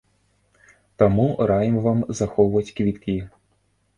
Таму раім вам захоўваць квіткі!